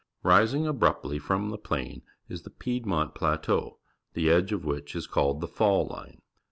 Rising abruptly from the plain is Xhe^ Piedmont Plateau, the edge of which is called the Fall Line.